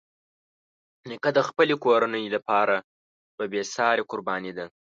نیکه د خپلې کورنۍ لپاره یوه بېساري قرباني ده.